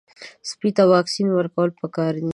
سپي ته واکسین ورکول پکار دي.